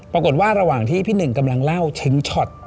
ระหว่างที่พี่หนึ่งกำลังเล่าถึงช็อต